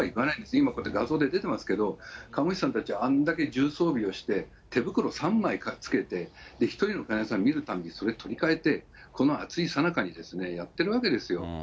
今こうやって画像で出てますけど、看護師さんたちは、あんだけ重装備をして、手袋３枚つけて、１人の患者さん診るたんびにそれ取り替えて、この暑いさなかにですね、やってるわけですよ。